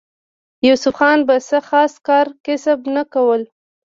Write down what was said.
يوسف خان به څۀ خاص کار کسب نۀ کولو